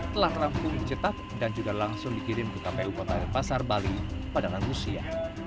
telah terampung dicetak dan juga langsung dikirim ke kpu kota air pasar bali pada tanggal usia